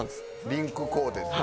リンクコーデ。